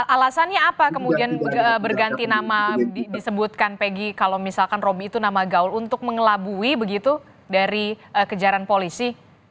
alasannya apa kemudian berganti nama disebutkan peggy kalau misalkan romi itu nama gaul untuk mengelabui begitu dari kejaran polisi